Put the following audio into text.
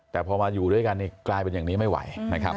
แต่พอมาอยู่ด้วยกันกลายเป็นอย่างนี้ไม่ไหว